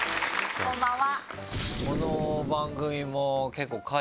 こんばんは。